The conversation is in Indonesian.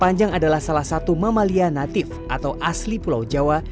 panjang adalah salah satu mamalia natif atau asli pulau jawa